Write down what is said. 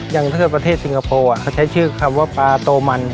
อย่างเท่าไหร่ประเทศซิงคโปลอ่ะเค้าใช้ชื่อคำว่าปลาโตมัน